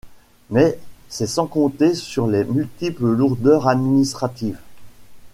Mais c'est sans compter sur les multiples lourdeurs administratives.